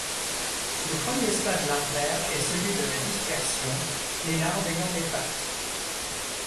Le premier stade larvaire est celui de la dispersion, les larves ayant des pattes.